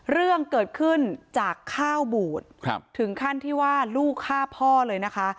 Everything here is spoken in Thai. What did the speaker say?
เรื่องเกิดขึ้นจากข้าวบูดถึงขั้นที่ว่าลูกฆ่าพ่อเลยนะคะ